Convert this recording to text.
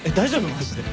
マジで。